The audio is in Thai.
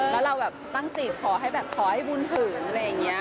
แล้วเราตั้งจิตขอให้บุญถือน